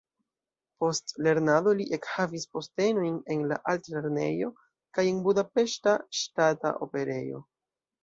Post lernado li ekhavis postenojn en la Altlernejo kaj en Budapeŝta Ŝtata Operejo.